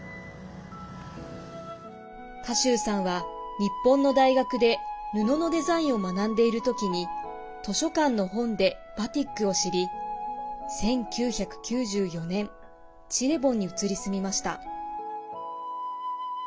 賀集さんは、日本の大学で布のデザインを学んでいるときに図書館の本でバティックを知り１９９４年チレボンに移り住みました。